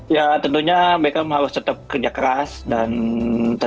ya tentunya beckham harus tetap kerja keras dan tetap